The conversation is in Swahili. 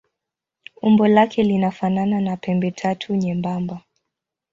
Umbo lake linafanana na pembetatu nyembamba.